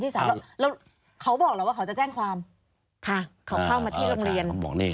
ค่ะเขาเข้ามาที่โรงเรียน